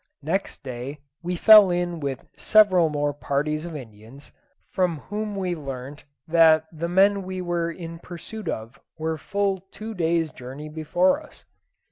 Next day we fell in with several more parties of Indians, from whom we learnt that the men we were in pursuit of were full two days journey before us.